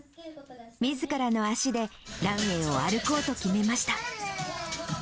みずからの足でランウエーを歩こうと決めました。